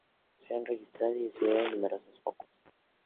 Se han registrado y estudiado numerosos focos.